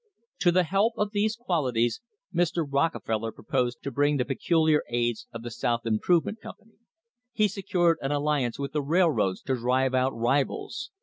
To the help of these qualities Mr. Rockefeller proposed to bring the pecu liar aids of the South Improvement Company. He secured an alliance with the railroads to drive out rivals.